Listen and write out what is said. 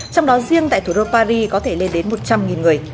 trong đó riêng tại thủ đô paris có thể lên đến một trăm linh người